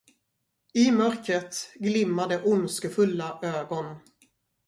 I mörkret glimmade ondskefulla ögon.